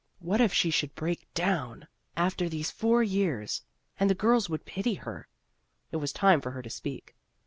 What if she should break down ! After these four years ! And the girls would pity her! It was time for her to speak.